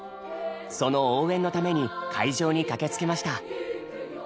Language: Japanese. その応援のために会場に駆けつけました。